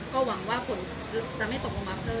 ก็หวังว่าฝนจะไม่ตกลงมาเพิ่ม